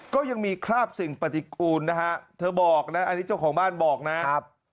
ก็ยังมีคราบสิ่งปฏิกูลนะฮะเธอบอกนะอันนี้เจ้าของบ้านบอกนะครับ